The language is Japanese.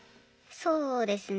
そうですね